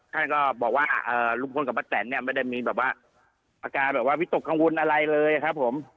ท่านก็บอกว่าลุงพลป้าแตนไม่ได้มีแบบว่าอาการวิตกกังวลอะไรเลยครับผม